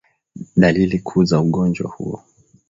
Dalili kuu za ugonjwa huo